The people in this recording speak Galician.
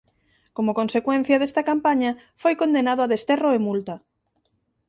Como consecuencia desta campaña foi condenado a desterro e multa.